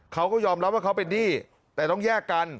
เขาก็ยอมรับว่าเขาเป็นหนี้แต่ต้องแยกกัน